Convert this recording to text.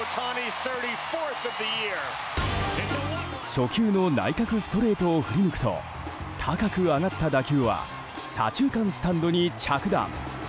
初球の内角ストレートを振り抜くと高く上がった打球は左中間スタンドに着弾。